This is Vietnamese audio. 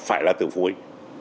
phải là từ phối